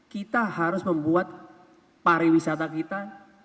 kita harus membuat pariwisata kita